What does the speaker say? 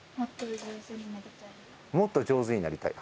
「もっと上手になりたい」